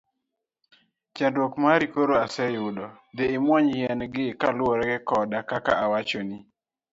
Chandruok mari koro aseyudo, dhi imuony yien gi kaluwore koda kaka owachni.